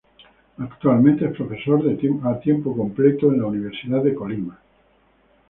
Actualmente es Profesor de Tiempo Completo en Universidad de Colima.